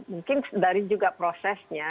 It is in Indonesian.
mungkin dari juga prosesnya